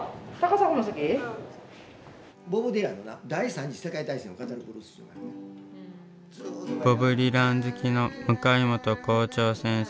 ボブ・ディラン好きの向本校長先生。